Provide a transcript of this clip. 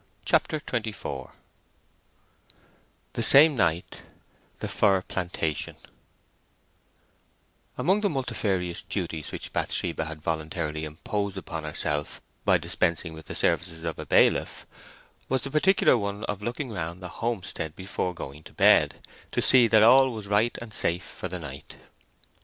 CHAPTER XXIV THE SAME NIGHT—THE FIR PLANTATION Among the multifarious duties which Bathsheba had voluntarily imposed upon herself by dispensing with the services of a bailiff, was the particular one of looking round the homestead before going to bed, to see that all was right and safe for the night.